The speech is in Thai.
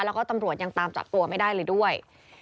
แล้วก็ตำรวจยังตามจับตัวไม่ได้เลยด้วย